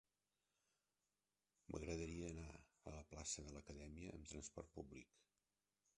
M'agradaria anar a la plaça de l'Acadèmia amb trasport públic.